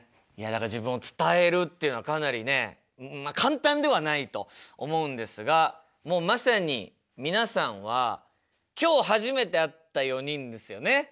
いやだから自分を伝えるっていうのはかなりね簡単ではないと思うんですがもうまさに皆さんは今日初めて会った４人ですよね？